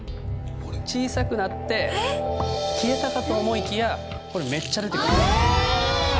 小さくなって消えたかと思いきやこれめっちゃ出てくる。